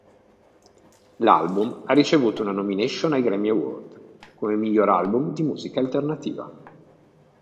L'album ha ricevuto una nomination ai Grammy Award come miglior album di musica alternativa.